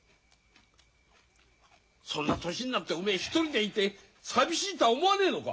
そんな年になっておめえ独りでいて寂しいとは思わねえのか？